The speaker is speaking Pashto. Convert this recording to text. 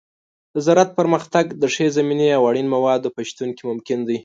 د زراعت پرمختګ د ښې زمینې او اړین موادو په شتون کې ممکن دی.